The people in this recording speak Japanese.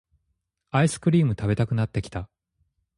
アイスクリーム食べたくなってきた